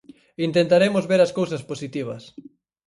Intentaremos ver as cousas positivas.